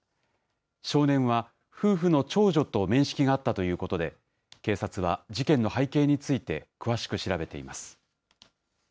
少年は夫婦の長女と面識があったということで、警察は、事件の背景について詳しく調べています。